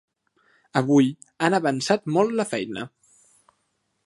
Avui han avançat molt la feina.